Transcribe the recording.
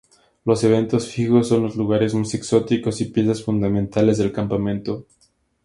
Los eventos fijos son los lugares más exóticos y piezas fundamentales del campeonato.